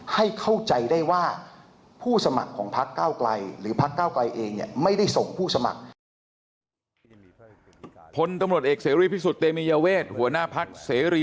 ให้เข้าใจได้ว่าผู้สมัครของพักเก้าไกลหรือพักเก้าไกลเองไม่ได้ส่งผู้สมัคร